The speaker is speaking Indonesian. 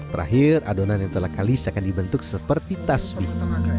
terakhir adonan yang telah kalis akan dibentuk seperti tasbih